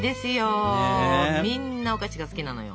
みんなお菓子が好きなのよ。